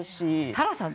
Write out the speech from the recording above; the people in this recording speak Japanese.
サラさん